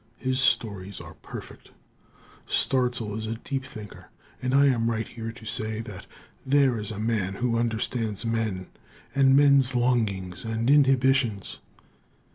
His stories are perfect. Starzl is a deep thinker, and I am right here to say that there is a man who understands men and men's longings and inhibitions.